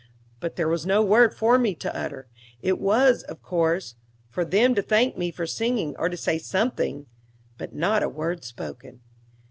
But there was no word for me to utter: it was, of course, for them to thank me for singing, or to say something; but not a word was spoken.